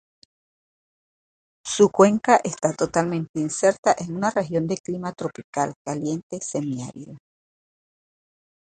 Su cuenca está totalmente inserta en una región de clima tropical caliente semiárido.